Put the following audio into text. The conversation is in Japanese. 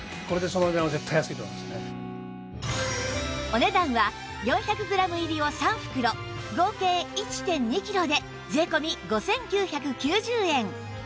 お値段は４００グラム入りを３袋合計 １．２ キロで税込５９９０円